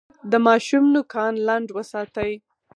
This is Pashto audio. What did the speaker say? د ماشوم نوکان لنډ وساتئ.